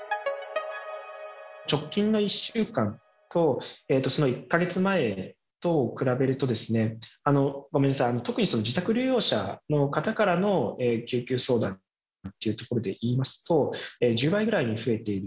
直近の１週間とその１か月前とを比べると、ごめんなさい、特に自宅療養者の方からの救急相談というところでいいますと、１０倍ぐらいに増えている。